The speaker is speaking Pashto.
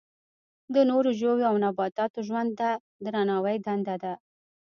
د نورو ژویو او نباتاتو ژوند ته درناوی دنده ده.